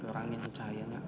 di kurangnya cahayanya